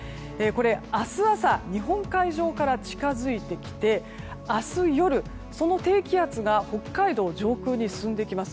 明日朝、日本海上から近づいてきて、明日夜その低気圧が北海道上空に進んできます。